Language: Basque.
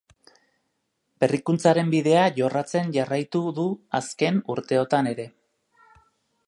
Berrikuntzaren bidea jorratzen jarraitu du azken urteotan ere.